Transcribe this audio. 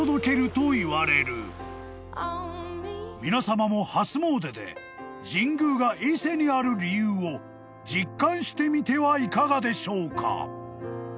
［皆さまも初詣で神宮が伊勢にある理由を実感してみてはいかがでしょうか？］